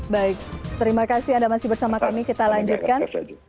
baik terima kasih anda masih bersama kami kita lanjutkan